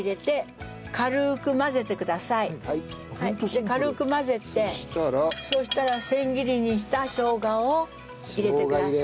で軽く混ぜてそしたら千切りにしたしょうがを入れてください。